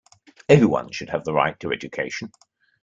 Everyone should have the right to education.